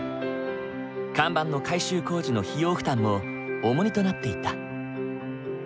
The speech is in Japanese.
看板の改修工事の費用負担も重荷となっていた。